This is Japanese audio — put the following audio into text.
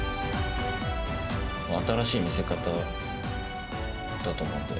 新しい見せ方だと思うんで。